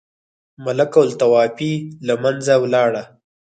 ملوک الطوایفي له منځه ولاړه.